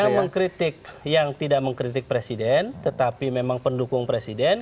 yang mengkritik yang tidak mengkritik presiden tetapi memang pendukung presiden